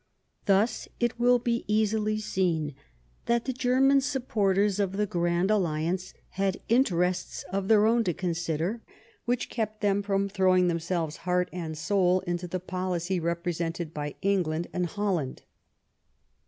Thus it will be easily seen that the German supporters of the Grand Alliance had interests of their own to con sider which kept them from throwing themselves heart and soul into the policy represented by England and Holland.